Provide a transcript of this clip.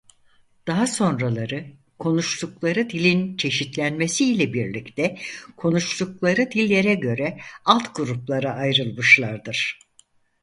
Daha sonraları konuştukları dilin çeşitlenmesi ile birlikte konuştukları dillere göre alt gruplara ayrılmışlardır.